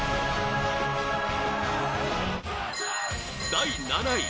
第７位